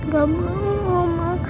gak mau mama